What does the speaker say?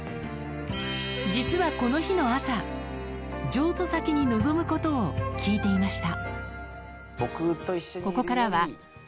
実はこの日の朝譲渡先に望むことを聞いていました